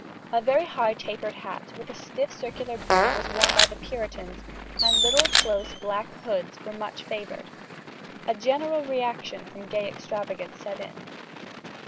A very high tapered hat, with stiff circular brim, was worn by the Puritans, and little, close, black hoods were much favoured. A general reaction from gay extravagance set in.